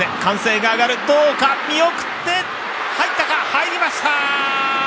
入りました！